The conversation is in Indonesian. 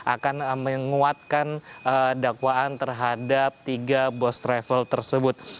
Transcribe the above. akan menguatkan dakwaan terhadap tiga bos travel tersebut